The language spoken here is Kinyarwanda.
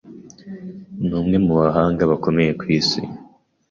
Ni umwe mu bahanga bakomeye ku isi.